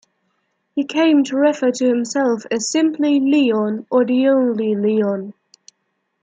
He came to refer to himself as simply "Leon" or "The Only Leon".